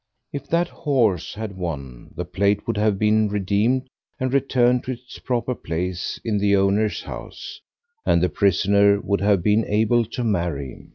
If that horse had won, the plate would have been redeemed and returned to its proper place in the owner's house, and the prisoner would have been able to marry.